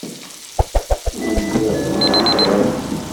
Ur lliɣ d bu tekriṭ.